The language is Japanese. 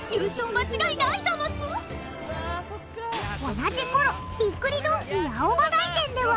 同じ頃びっくりドンキー青葉台店では。